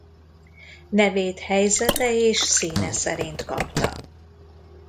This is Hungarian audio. Nevét helyzete és színe szerint kapta.